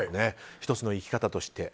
１つの生き方として。